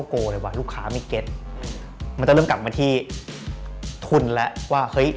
อเจมส์เออผมจบศิลปะมาเลย